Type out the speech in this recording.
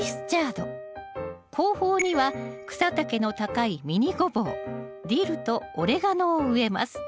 後方には草丈の高いミニゴボウディルとオレガノを植えます。